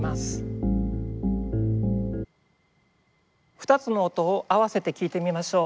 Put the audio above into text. ２つの音を合わせて聴いてみましょう。